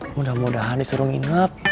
mudah mudahan disuruh nginep